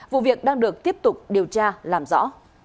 vụ việc đang được tiếp tục điều tra làm rõ